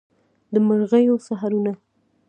د مرغیو سحرونه